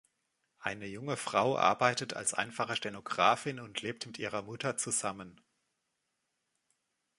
Eine junge Frau arbeitet als einfache Stenografin und lebt mit ihrer Mutter zusammen.